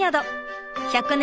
１００年